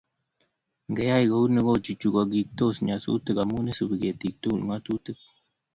Ngreyai kouni kochuchukokistos nyasutik amu isubi ketik tugul ngatutik